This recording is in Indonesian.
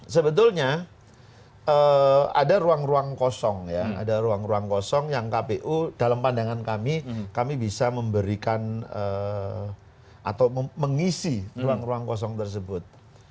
sebetulnya ada ruang ruang kosong ya ada ruang ruang kosong yang kpu dalam pandangan kami kami bisa memberikan atau mengisi ruang ruang kosong tersebut